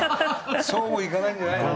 そうもいかないんじゃないの？